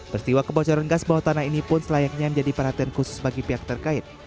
peristiwa kebocoran gas bawah tanah ini pun selayaknya menjadi perhatian khusus bagi pihak terkait